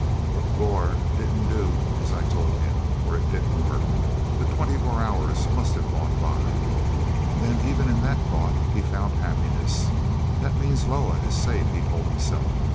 But Gor didn't do as I told him, or it didn't work. The twenty four hours must have gone by." Then, even in that thought, he found happiness. "That means that Loah is safe," he told himself.